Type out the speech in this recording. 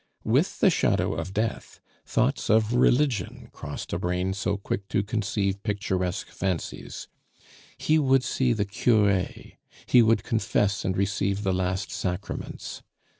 With the shadow of death, thoughts of religion crossed a brain so quick to conceive picturesque fancies; he would see the cure, he would confess and receive the last sacraments.